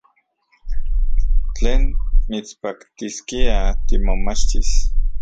¿Tlen mitspaktiskia timomachtis?